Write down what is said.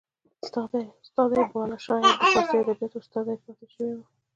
استاد یې باله شاید د فارسي ادبیاتو استاد یې پاته شوی و